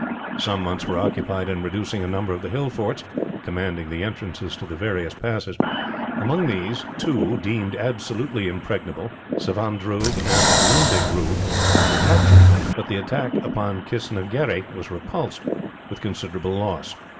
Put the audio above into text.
Some months were occupied in reducing a number of the hill forts, commanding the entrances to the various passes. Among these, two, deemed absolutely impregnable, Savandroog and Nundidroog, were captured, but the attack upon Kistnagherry was repulsed with considerable loss.